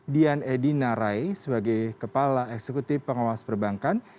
dian edi narai sebagai kepala eksekutif pengawas perbankan